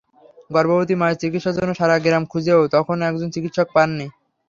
গর্ভবতী মায়ের চিকিৎসার জন্য সারা গ্রাম খুঁজেও তখন একজন চিকিৎসক পাননি।